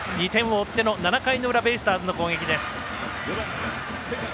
２点を追っての７回の裏ベイスターズの攻撃です。